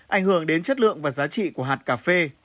ảnh hưởng đến chất lượng và giá trị của hạt cà phê